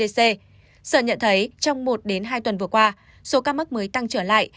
sở nhận thấy trong một hai tuần vừa qua số ca mắc mới tăng trở lại